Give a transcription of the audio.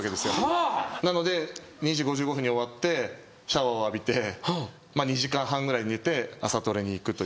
なので２時５５分に終わってシャワーを浴びて２時間半ぐらい寝て朝トレに行くという。